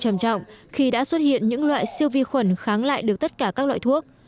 đây là một trầm trọng khi đã xuất hiện những loại siêu vi khuẩn kháng lại được tất cả các loại thuốc